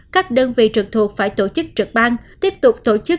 các đơn vị trực thuộc phải tổ chức trực ban tiếp tục tổ chức